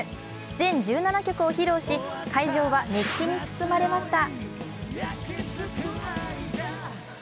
全１７曲を披露し会場は熱気に包まれました。